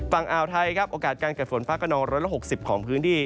ฝั่งอ่าวไทยครับโอกาสการเกิดฝนฟ้ากระนอง๑๖๐ของพื้นที่